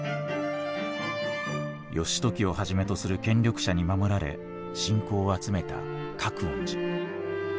義時をはじめとする権力者に守られ信仰を集めた覚園寺。